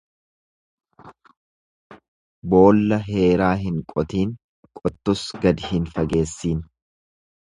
Boolla heeraa hin qotiin, qottuus gadi hin fageessiin.